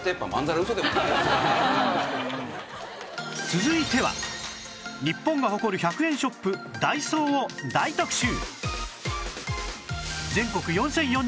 続いては日本が誇る１００円ショップダイソーを大特集！